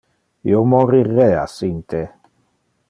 Io morirea sin te.